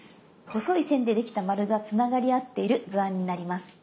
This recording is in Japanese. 細い線でできた丸がつながり合っている図案になります。